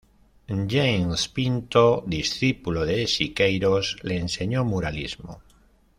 James Pinto -discípulo de Siqueiros- le enseñó muralismo.